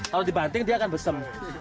kalau dibanting dia akan besem